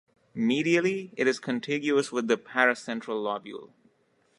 Medially, it is contiguous with the paracentral lobule.